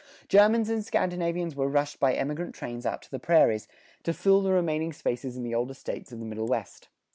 Germans and Scandinavians were rushed by emigrant trains out to the prairies, to fill the remaining spaces in the older States of the Middle West.